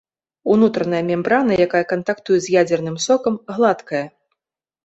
Унутраная мембрана, якая кантактуе з ядзерным сокам, гладкая.